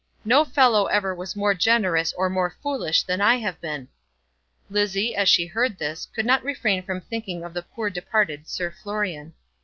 No fellow ever was more generous or more foolish than I have been." Lizzie, as she heard this, could not refrain from thinking of the poor departed Sir Florian.